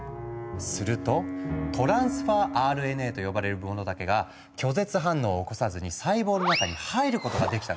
すると「トランスファーＲＮＡ」と呼ばれるものだけが拒絶反応を起こさずに細胞の中に入ることができたの。